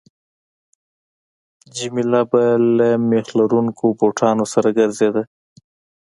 جميله به له میخ لرونکو بوټانو سره ګرځېده.